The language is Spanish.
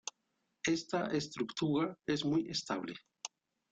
Esta estructura es muy estable.